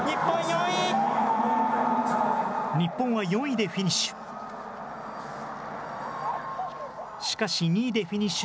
日本は４位でフィニッシュ。